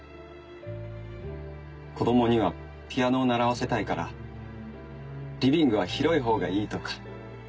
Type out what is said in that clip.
子供にはピアノを習わせたいからリビングは広い方がいいとか。